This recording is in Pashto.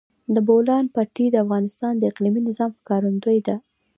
د بولان پټي د افغانستان د اقلیمي نظام ښکارندوی ده.